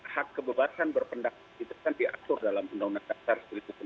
hak kebebasan berpendapat itu kan diatur dalam undang undang dasar seribu sembilan ratus empat puluh